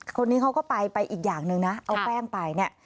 คนนี้เขาก็ไปไปอีกอย่างหนึ่งนะเอาแป้งไปเนี่ย